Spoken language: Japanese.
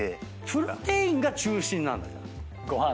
プロテインが中心なんだじゃあ。